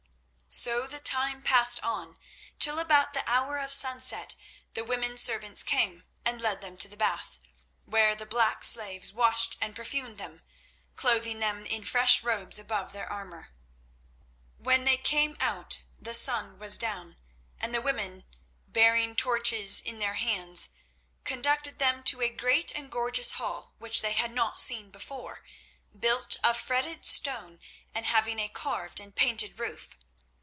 So the time passed on, till about the hour of sunset the women servants came and led them to the bath, where the black slaves washed and perfumed them, clothing them in fresh robes above their armour. When they came out the sun was down, and the women, bearing torches in their hands, conducted them to a great and gorgeous hall which they had not seen before, built of fretted stone and having a carved and painted roof.